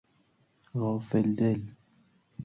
غافل دل